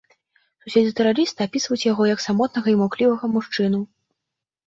Суседзі тэрарыста апісваюць яго як самотнага і маўклівага мужчыну.